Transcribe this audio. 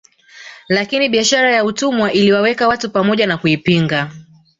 Lakini biashara ya utumwa iliwaweka watu pamoja na kuipinga